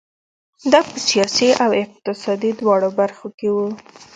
دا په سیاسي او اقتصادي دواړو برخو کې وو.